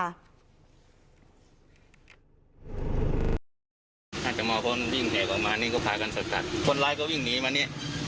อาจจะมาคนวิ่งแหกออกมานี่ก็พากันสกัดคนร้ายก็วิ่งหนีมานี่